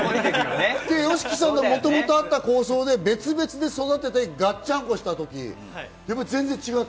ＹＯＳＨＩＫＩさんのもともとあった構想で別々で育ててガッチャンコしたとき、全然違った？